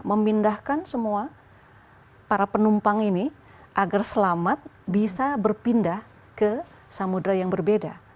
memindahkan semua para penumpang ini agar selamat bisa berpindah ke samudera yang berbeda